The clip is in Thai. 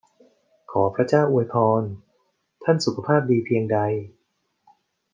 ขอพระเจ้าอวยพรท่านสุขภาพดีเพียงใด!